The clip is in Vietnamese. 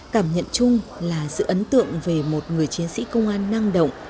cảm nhận chung là sự ấn tượng về một người chiến sĩ công an năng động